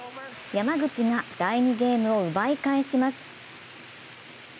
山口が第２ゲームを奪い返します。